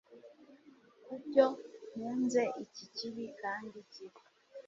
kubyo mpunze iki kibi kandi kibi